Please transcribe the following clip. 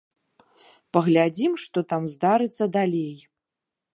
Паглядзім, што там здарыцца далей.